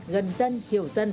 gần dân hiểu dân lúc dân cần